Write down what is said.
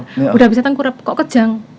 sudah bisa tengkurap kok kejang